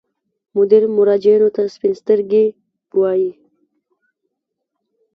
مدیر مراجعینو ته سپین سترګي وایي.